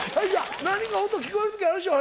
何か音聞こえる時あるでしょ？